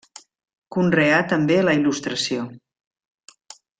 Conreà també la il·lustració.